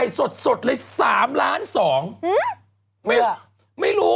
คุณหมอโดนกระช่าคุณหมอโดนกระช่า